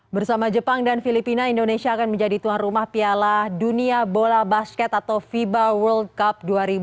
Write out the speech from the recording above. bersama jepang dan filipina indonesia akan menjadi tuan rumah piala dunia bola basket atau fiba world cup dua ribu dua puluh